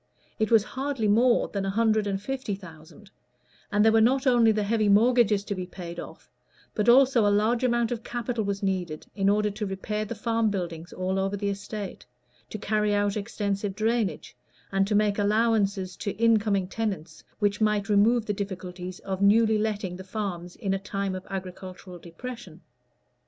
It was hardly more than a hundred and fifty thousand; and there were not only the heavy mortgages to be paid off, but also a large amount of capital was needed in order to repair the farm buildings all over the estate, to carry out extensive drainage, and make allowances to in coming tenants, which might remove the difficulties of newly letting the farms in a time of agricultural depression.